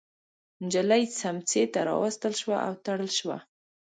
نجلۍ سمڅې ته راوستل شوه او تړل شوه.